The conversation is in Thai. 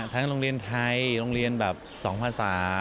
โรงเรียนไทยโรงเรียนแบบ๒ภาษา